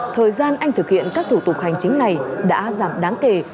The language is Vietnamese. thời gian anh thực hiện các thủ tục hành chính này đã giảm đáng kể